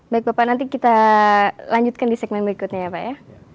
baik bapak nanti kita lanjutkan di segmen berikutnya ya pak ya